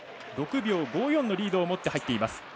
６秒５４のリードを持って入っています。